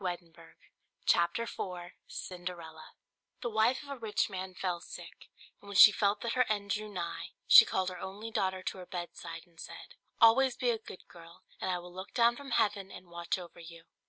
CINDERELLA The wife of a rich man fell sick: and when she felt that her end drew nigh, she called her only daughter to her bedside, and said, "Always be a good girl, and I will look down from heaven and watch over you."